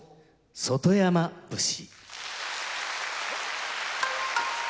「外山節」。